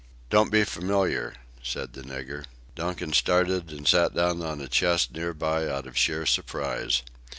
"Don't be familiar," said the nigger. Donkin started and sat down on a chest near by, out of sheer surprise.